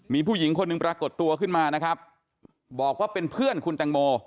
มีผู้หญิงคนหนึ่งปรากฏตัวขึ้นมานะครับบอกว่าเป็นเพื่อนคุณแตงโม